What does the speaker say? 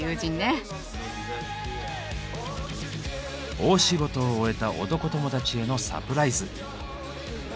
大仕事を終えた男友達へのサプライズ。